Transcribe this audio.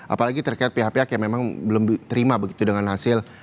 apalagi terkait pihak pihak yang memang belum terima begitu dengan hasil